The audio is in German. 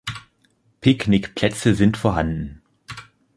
Picknickplätze sind vorhanden.